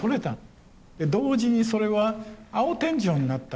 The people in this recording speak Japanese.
同時にそれは青天井になった。